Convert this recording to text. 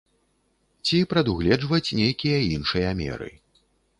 Ці прадугледжваць нейкія іншыя меры.